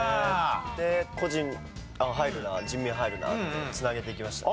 で「個人」入るな「人民」入るなって繋げていきましたね。